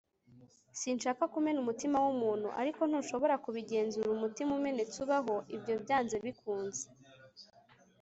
sinshaka kumena umutima w'umuntu, ariko ntushobora kubigenzura umutima umenetse ubaho; ibyo byanze bikunze